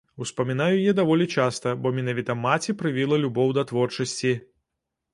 Успамінаю яе даволі часта, бо менавіта маці прывіла любоў да творчасці.